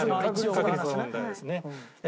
確率の問題ですね。